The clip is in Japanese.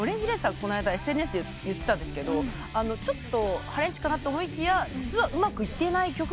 この間ＳＮＳで言ってたんですけどちょっと破廉恥かなと思いきや実はうまくいっていない曲が多いらしくて。